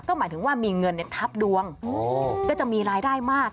หมายถึงว่ามีเงินทับดวงก็จะมีรายได้มาก